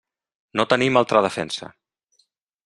No tenim altra defensa.